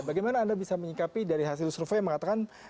bagaimana anda bisa menyikapi dari hasil survei yang mengatakan